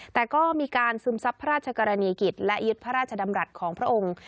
แต่ก็มีการซึมซับพระราชกรณีกิจและยึดพระราชดำรัฐของพระองค์